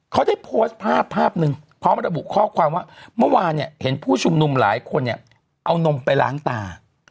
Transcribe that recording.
เขาได้โพสต์ภาพภาพหนึ่งพร้อมระบุข้อความว่าเมื่อวานเนี่ยเห็นผู้ชุมนุมหลายคนเนี่ยเอานมไปล้างตา